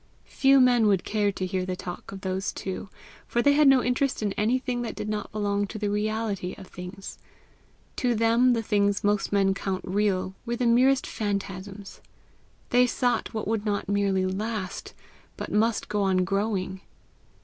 Few men would care to hear the talk of those two, for they had no interest in anything that did not belong to the reality of things. To them the things most men count real, were the merest phantasms. They sought what would not merely last, but must go on growing.